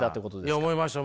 いや思いました